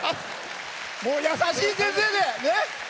優しい先生で！